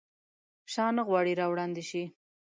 شاه نه غواړي راوړاندي شي.